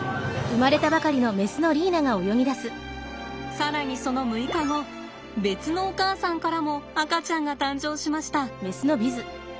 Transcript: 更にその６日後別のお母さんからも赤ちゃんが誕生しました。